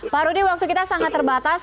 pak rudy waktu kita sangat terbatas